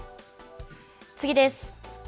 次です。